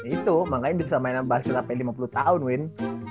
itu makanya bisa mainan basir sampai lima puluh tahun win